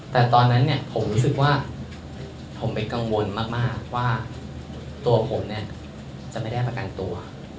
แต่ตอนนั้นเนี่ยผมรู้สึกว่าผมเป็นกังวลมากว่าตัวผมเนี่ยจะไม่ได้ประกันตัว